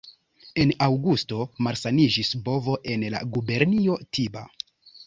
En aŭgusto malsaniĝis bovo en la gubernio Tiba.